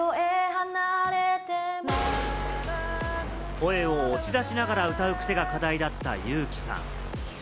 声を押し出しながら歌う癖が課題だったユウキさん。